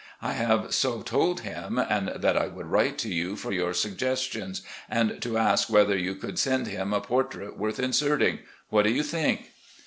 I have so told him, and that I would write to you for your sug gestions, and to ask whether you could send him a por trait worth inserting. What do you think?